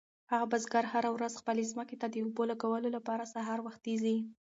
هغه بزګر هره ورځ خپلې ځمکې ته د اوبو لګولو لپاره سهار وختي ځي.